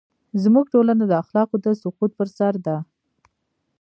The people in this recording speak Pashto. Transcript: زموږ ټولنه د اخلاقو د سقوط پر سر ده.